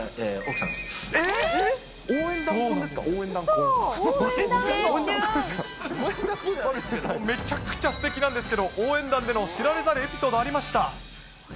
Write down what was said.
そう、めちゃくちゃすてきなんですけど、応援団での知られざるエピソードありました。